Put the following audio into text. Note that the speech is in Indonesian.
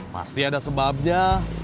pasti ada sebabnya